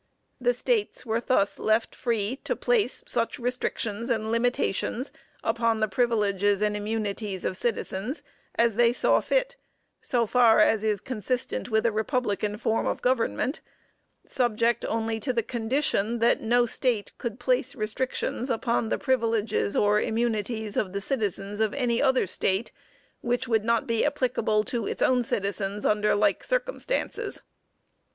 The States were thus left free to place such restrictions and limitations upon the "privileges and immunities" of citizens as they saw fit, so far as is consistent with a republican form of government, subject only to the condition that no State could place restrictions upon the "privileges or immunities" of the citizens of any other State, which would not be applicable to its own citizens under like circumstances.